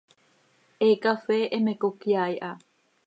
He cafee heme cocyaai ha.